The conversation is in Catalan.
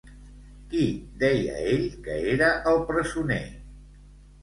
Qui deia ell que era el presoner?